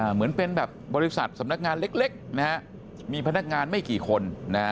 เหมือนเป็นแบบบริษัทสำนักงานเล็กมีพนักงานไม่กี่คน